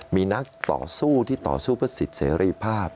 มีนักต่อสู้ที่ต่อสู้เพื่อสิทธิเสรีภาพ